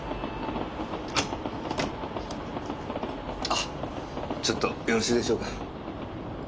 あっちょっとよろしいでしょうか？